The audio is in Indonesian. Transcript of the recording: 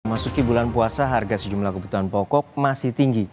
memasuki bulan puasa harga sejumlah kebutuhan pokok masih tinggi